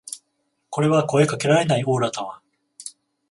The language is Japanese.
これは声かけられないオーラだわ